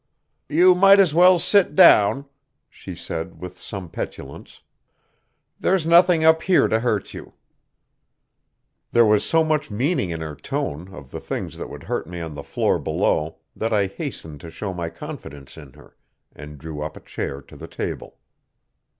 "You might as well sit down," she said with some petulance. "There's nothing up here to hurt you." There was so much meaning in her tone of the things that would hurt me on the floor below that I hastened to show my confidence in her, and drew up a chair to the table.